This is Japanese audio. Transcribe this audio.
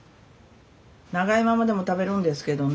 長いままでも食べるんですけどね。